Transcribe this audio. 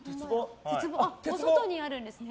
お外にあるんですね。